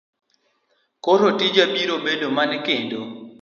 Koro tija biro bedo mane kendo?